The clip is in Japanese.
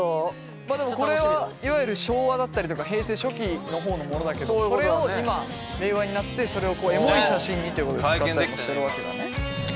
まあでもこれはいわゆる昭和だったりとか平成初期の方のものだけどそれを今令和になってそれをエモい写真にということで使ったりもしてるわけだね。